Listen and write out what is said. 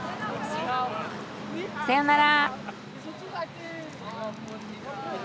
さよなら。